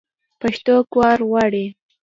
پښتو کار غواړي.